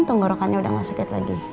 tenggorokannya udah gak sakit lagi